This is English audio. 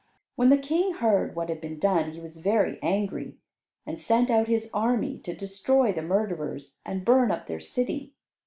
When the King heard what had been done, he was very angry, and sent out his army to destroy the murderers, and burn up their city.